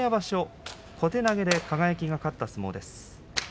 小手投げで輝が勝った相撲です。